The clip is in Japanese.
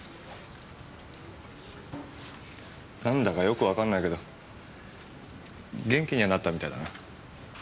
何だかよくわかんないけど元気にはなったみたいだな。